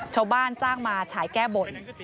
ชาวบ้านจ้างมาฉายแก้บน